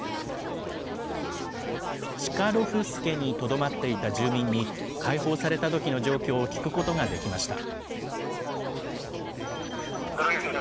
チカロフスケにとどまっていた住民に、解放されたときの状況を聞くことができました。